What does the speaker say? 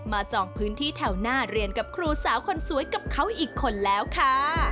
จองพื้นที่แถวหน้าเรียนกับครูสาวคนสวยกับเขาอีกคนแล้วค่ะ